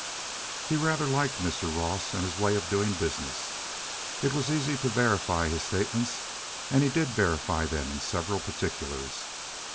He rather liked Mr. Ross and his way of doing business. It was easy to verify his statements, and he did verify them in several particulars.